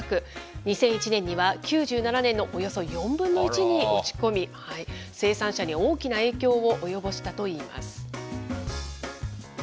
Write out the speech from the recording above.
２００１年には９７年のおよそ４分の１に落ち込み、生産者に大きな影響を及ぼしたといいます。